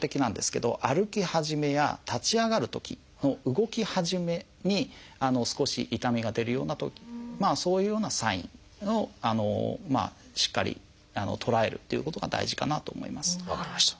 歩き始めや立ち上がるときの動き始めに少し痛みが出るようなそういうようなサインをしっかり捉えるっていうことが大事かなと思います。